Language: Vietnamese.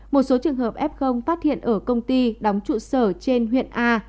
một số trường hợp f phát hiện ở công ty đóng trụ sở trên huyện a